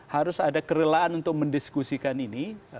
harus ada kerelaan untuk mendiskusikan ini